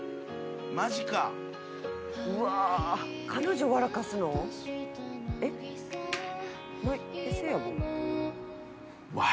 彼女笑かすの？笑